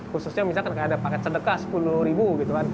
khususnya misalkan ada paket sedekah rp sepuluh